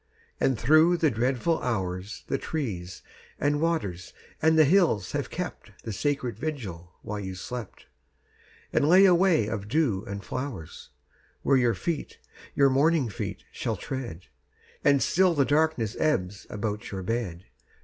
And through the dreadful hours The trees and waters and the hills have kept The sacred vigil while you slept, And lay a way of dew and flowers Where your feet, your morning feet, shall tread. And still the darkness ebbs about your bed.